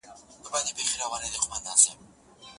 چا سره خامخا ساته دعا سلام هلکه